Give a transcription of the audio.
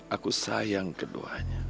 aku sayang keduanya